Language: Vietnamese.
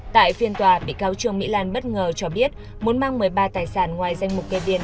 tại phiên tòa bị cáo trương mỹ lan bất ngờ cho biết muốn mang một mươi ba tài sản ngoài danh mục kê tiền